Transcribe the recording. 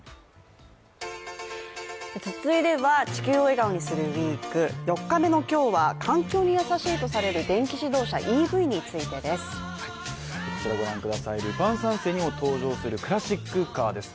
続いては「地球を笑顔にするＷＥＥＫ」４日目の今日は、環境に優しいとされる電気自動車＝ＥＶについてです。こちら、「ルパン三世」にも登場するクラシックカーです。